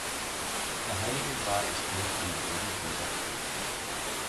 Der heilige Gral ist bloß ein bedeutungsloser Kelch.